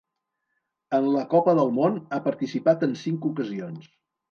En la Copa del Món ha participat en cinc ocasions.